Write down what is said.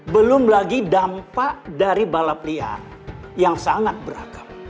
belum lagi dampak dari balap liar yang sangat beragam